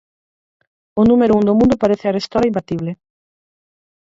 O número un do mundo parece arestora imbatible.